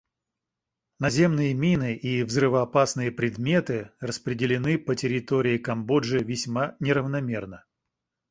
Наземные мины и взрывоопасные предметы распределены по территории Камбоджи весьма неравномерно.